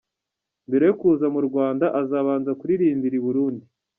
Mbere yo kuza mu Rwanda, azabanza kuririmbira i Burundi.